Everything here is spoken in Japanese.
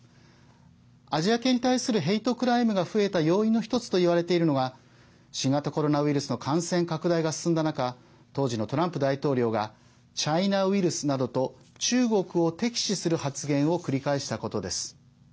アジア系に対するヘイトクライムが増えた要因の１つといわれているのが新型コロナウイルスの感染拡大が進んだ中当時のトランプ大統領がチャイナ・ウイルスなどと中国を敵視する発言を繰り返したことです。